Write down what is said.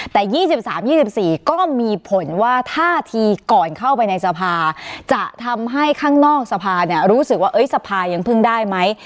แต่๒๓๒๔ก็มีผลว่าท่าทีก่อนเข้าไปในสภาจะทำให้ข้างนอกสภาเนี่ยรู้สึกว่าสภายังพึ่งได้ไหม